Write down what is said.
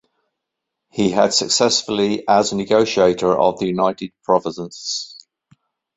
He had successes as negotiator of the United Provinces.